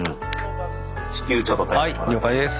はい了解です。